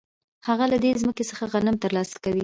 هغه له دې ځمکې څخه غنم ترلاسه کوي